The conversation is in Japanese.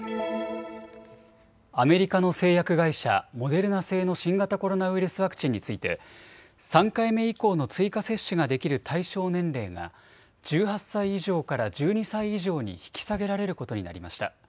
アメリカの製薬会社、モデルナ製の新型コロナウイルスワクチンについて３回目以降の追加接種ができる対象年齢が１８歳以上から１２歳以上に引き下げられることになりました。